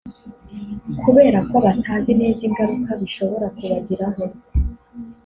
kubera ko batazi neza ingaruka bishobora kubagiraho